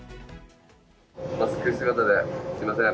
マスク姿ですみません。